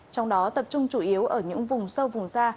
trong đó tập trung chủ yếu ở những vùng sâu vùng xa